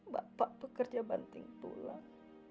bapak tuh kerja banting pulang